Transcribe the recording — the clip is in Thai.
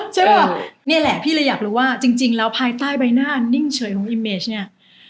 ใช่ป่ะนี่แหละพี่เลยอยากรู้ว่าจริงแล้วภายใต้ใบหน้านิ่งเฉยของอิมเมจเนี่ย